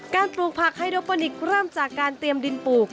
ปลูกผักไฮโดโปนิคเริ่มจากการเตรียมดินปลูก